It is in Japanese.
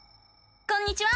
こんにちは！